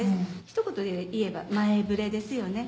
ひと声で言えば「前触れ」ですよね。